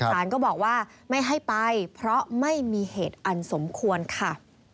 สารก็บอกว่าไม่ให้ไปเพราะไม่มีเหตุอันสมควรค่ะ